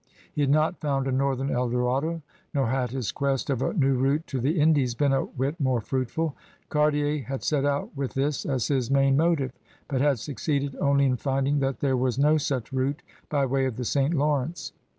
He had not found a northern Eldorado, nor had his quest of a new route to the Indies been a whit more fruitful. Cartier had set out with this as his main motive, but had succeeded only in finding that there was no such route by way of the St. Lawrence.